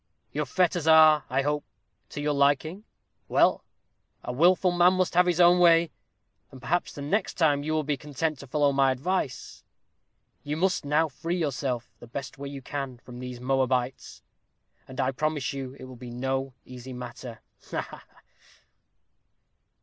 Your fetters are, I hope, to your liking. Well! a wilful man must have his own way, and perhaps the next time you will be content to follow my advice. You must now free yourself, the best way you can, from these Moabites, and I promise you it will be no easy matter. Ha, ha!"